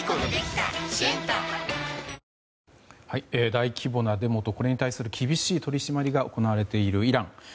大規模なデモとこれに対する厳しい取り締まりが行われているイラン。